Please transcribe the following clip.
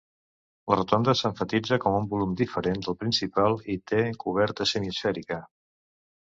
La rotonda s'emfasitza com un volum diferent del principal i té coberta semiesfèrica.